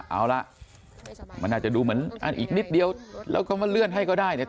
เอาล่ะมันอาจจะดูเหมือนอีกนิดเดียวแล้วก็มาเลื่อนให้ก็ได้เนี่ย